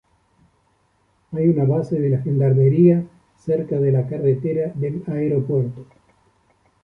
Hay una base de la gendarmería cerca de la carretera del aeropuerto.